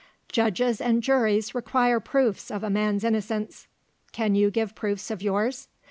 Judges and juries require proofs of a man's innocence. Can you give proofs of yours?